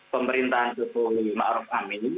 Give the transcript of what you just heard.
pemerintahan jokowi ma'ruf amin